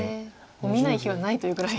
見ない日はないというぐらい。